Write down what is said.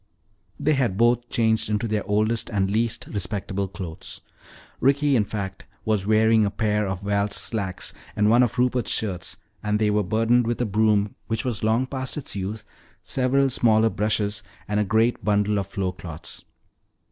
They had both changed into their oldest and least respectable clothes. Ricky, in fact, was wearing a pair of Val's slacks and one of Rupert's shirts, and they were burdened with a broom which was long past its youth, several smaller brushes, and a great bundle of floor cloths.